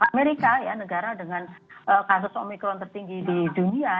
amerika ya negara dengan kasus omikron tertinggi di dunia